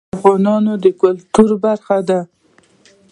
هوا د افغانانو د ګټورتیا برخه ده.